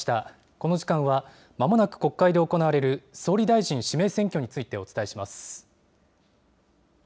この時間は、まもなく国会で行われる総理大臣指名選挙についてお伝えします。